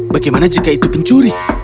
bagaimana jika itu pencuri